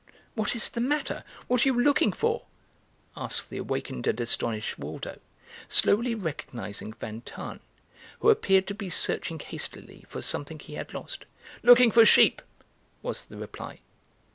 "What is the matter? What are you looking for?" asked the awakened and astonished Waldo, slowly recognising Van Tahn, who appeared to be searching hastily for something he had lost. "Looking for sheep," was the reply.